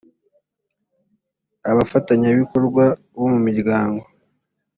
abafatanyabikorwa bo mu miryango